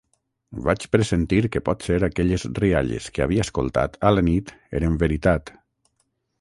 Vaig pressentir que potser aquelles rialles que havia escoltat a la nit eren veritat...